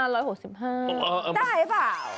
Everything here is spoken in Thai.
ได้หรือเปล่า